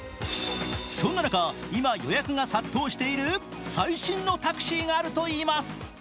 そんな中、今予約が殺到している最新のタクシーがあるといいます。